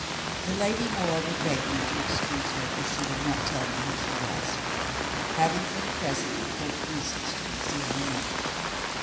The lady moreover begged me to excuse her if she did not tell me who she was; having for the present important reasons to conceal her name.